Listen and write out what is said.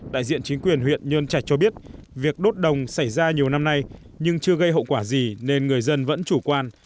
đại diện chính quyền huyện nhơn trạch cho biết việc đốt đồng xảy ra nhiều năm nay nhưng chưa gây hậu quả gì nên người dân vẫn chủ quan